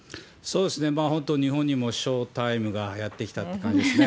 本当、日本にもショウタイムがやって来たって感じですね。